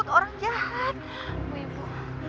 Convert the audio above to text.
istirahat dulu mau bu